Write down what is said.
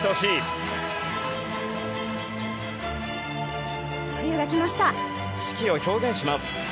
四季を表現します。